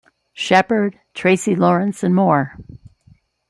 Sheppard, Tracy Lawrence and more.